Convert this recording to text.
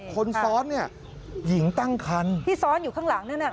คนซ้อนเนี่ยหญิงตั้งคันที่ซ้อนอยู่ข้างหลังนั่นน่ะ